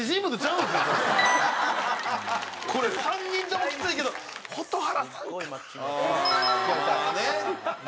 これ３人ともきついけど蛍原さんかな。